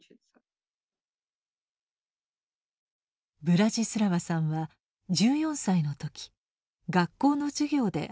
ブラジスラワさんは１４歳の時学校の授業で俳句に出会いました。